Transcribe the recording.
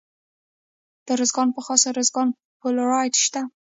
د ارزګان په خاص ارزګان کې فلورایټ شته.